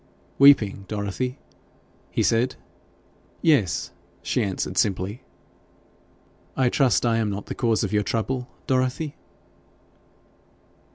'Weeping, Dorothy?' he said. 'Yes,' she answered simply. 'I trust I am not the cause of your trouble, Dorothy?'